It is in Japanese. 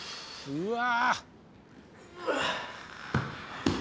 うわ！